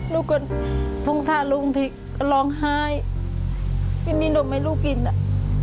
ลูกก็สงสารลูกบางทีก็ร้องไห้ไม่มีนมให้ลูกกินอ่ะ